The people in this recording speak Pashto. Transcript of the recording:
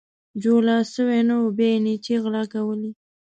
جولا سوى نه وو ، بيا يې نيچې غلا کولې.